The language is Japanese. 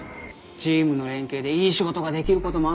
チームの連携でいい仕事ができることもあるぞ。